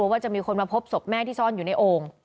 ว่าจะมีคนมาพบศพแม่ที่ซ่อนอยู่ในโอ่ง